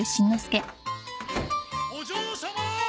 お嬢様！